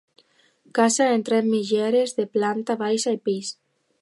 Casa entre mitgeres de planta baixa i pis.